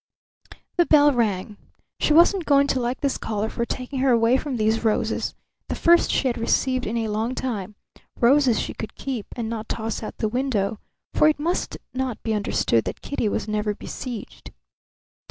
The bell rang. She wasn't going to like this caller for taking her away from these roses, the first she had received in a long time roses she could keep and not toss out the window. For it must not be understood that Kitty was never besieged.